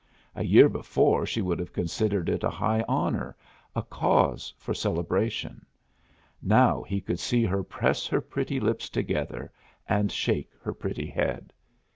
A year before she would have considered it a high honor, a cause for celebration. Now, he could see her press her pretty lips together and shake her pretty head.